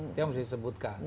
itu yang mesti disebutkan